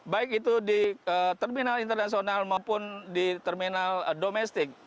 baik itu di terminal internasional maupun di terminal domestik